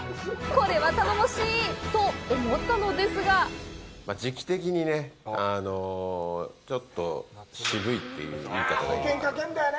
これは頼もしい！と、思ったのですが時期的にね、ちょっと渋いっていう言い方がいいのかな。